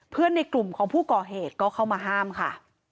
ในกลุ่มของผู้ก่อเหตุก็เข้ามาห้ามค่ะ